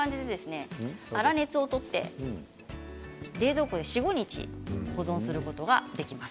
粗熱を取って冷蔵庫で４、５日保存することができます。